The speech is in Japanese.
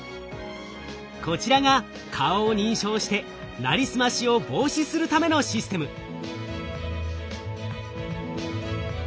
こちらが顔を認証してなりすましを防止するためのシステム。